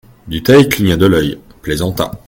Dutheil cligna de l'œil, plaisanta.